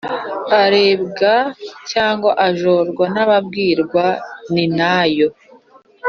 arebwa cyangwa ajorwa n’ababwirwa, ni na yo